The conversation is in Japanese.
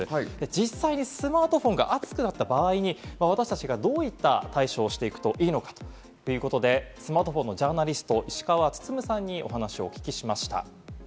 実際にスマートフォンが熱くなった場合、私達がどういった対処をしていくといいのかということで、スマートフォンのジャーナリスト・石川温さんにお話をお聞きしました。